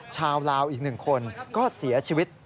ชาวลาวอีก๑คนก็เสียชีวิต